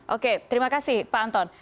oke terima kasih pak anton